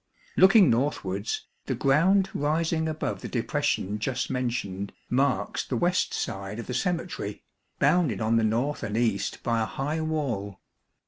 Looking northwards, the ground rising above the depression just mentioned, marks the west side of the cemetery, bounded on the north and east by a high wall.